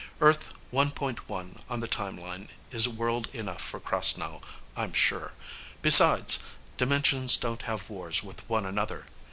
Earth One Point One on the Timeline is world enough for Krasnow, I'm sure. Besides, dimensions don't have wars with one another.